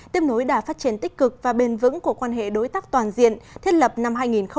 tiêm nối đã phát triển tích cực và bền vững của quan hệ đối tác toàn diện thiết lập năm hai nghìn chín